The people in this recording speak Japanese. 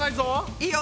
いいよ